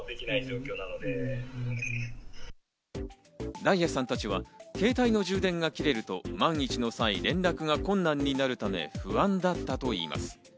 ダイヤさんたちは、携帯の充電が切れると、万一の際、連絡が困難になるため、不安だったといいます。